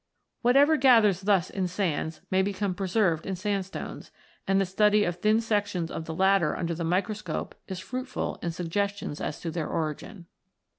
Whatever gathers thus in sands may become preserved in sandstones, and the study of thin sections of the latter under the micro scope is fruitful in suggestions as to their origin.